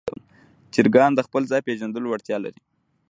چرګان د خپل ځای پېژندلو وړتیا لري.